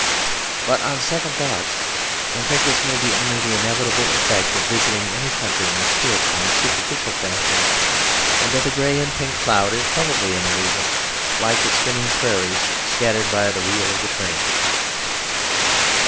But on second thoughts, I think this may be only the inevitable effect of visiting any country in a swift and superficial fashion; and that the grey and pink cloud is probably an illusion, like the spinning prairies scattered by the wheel of the train.